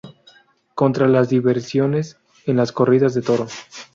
Contra las diversiones en las corridas de toros".